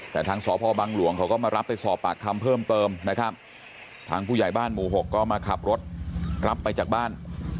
แต่ทางสพบังหลวงเขาก็มารับไปสอบปากคำเพิ่มเติมนะครับทางผู้ใหญ่บ้านหมู่๖ก็มาขับรถรับไปจากบ้าน